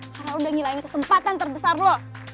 karena lo udah ngilangin kesempatan terbesar lo